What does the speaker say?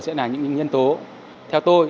sẽ là những nhân tố theo tôi